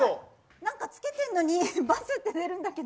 なんかつけてるのにバツって出るんだけど。